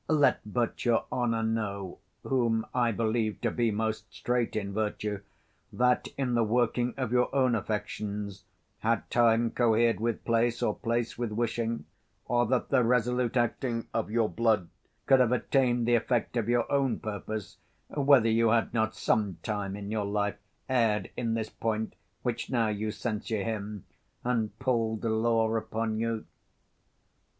Let but your honour know, Whom I believe to be most strait in virtue, That, in the working of your own affections, 10 Had time cohered with place or place with wishing, Or that the resolute acting of your blood Could have attain'd the effect of your own purpose, Whether you had not sometime in your life Err'd in this point which now you censure him, 15 And pull'd the law upon you.